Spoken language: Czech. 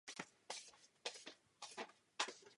Návštěvníci měli volný vstup na akci.